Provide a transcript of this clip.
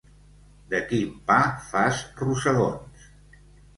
De quin pa fas rosegons!